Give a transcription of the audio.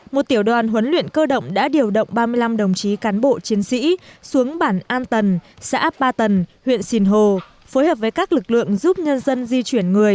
một tiểu đoàn huấn luyện cơ động đã điều động ba mươi năm đồng chí cán bộ chiến sĩ xuống bản an tần xã ba tần huyện sìn hồ phối hợp với các lực lượng giúp nhân dân di chuyển người